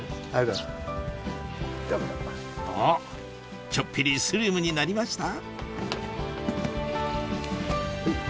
あっちょっぴりスリムになりました？